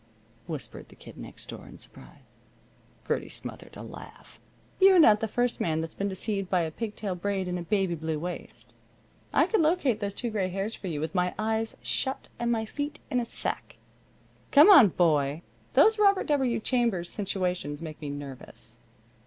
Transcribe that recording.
whispered the Kid Next Door, in surprise. Gertie smothered a laugh. "You're not the first man that's been deceived by a pig tail braid and a baby blue waist. I could locate those two gray hairs for you with my eyes shut and my feet in a sack. Come on, boy. These Robert W. Chambers situations make me nervous."